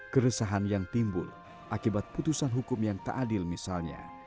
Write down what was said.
keresahan yang timbul akibat putusan hukum yang tak adil misalnya